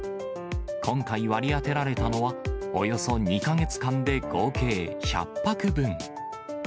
今回、割り当てられたのは、およそ２か月間で合計１００泊分。